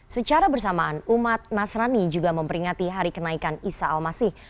secara bersamaan umat nasrani juga memperingati hari kenaikan isa al masih